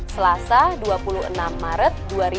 selasa dua puluh enam maret dua ribu dua puluh